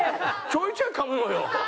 ちょいちょいかむのよ。